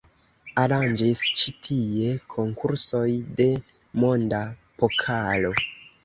Aranĝis ĉi tie konkursoj de monda pokalo.